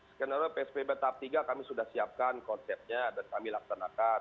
skenario psbb tahap tiga kami sudah siapkan konsepnya dan kami laksanakan